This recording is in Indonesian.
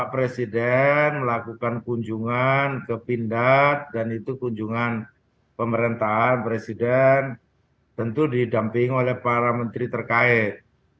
presiden melakukan kunjungan ke pindad dan itu kunjungan pemerintahan presiden tentu didamping oleh para menteri terkait